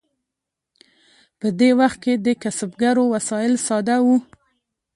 په دې وخت کې د کسبګرو وسایل ساده وو.